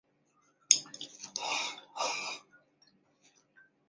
两国总统都没有直接通过电话